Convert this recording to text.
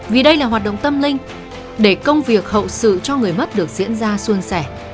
vì đây là hoạt động tâm linh để công việc hậu sự cho người mất được diễn ra xuân sẻ